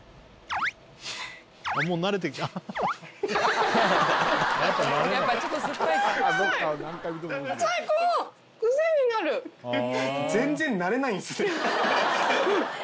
もう慣れて。とえ！